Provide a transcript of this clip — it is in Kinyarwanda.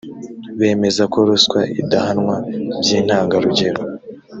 bemeza ko ruswa idahanwa by intangarugero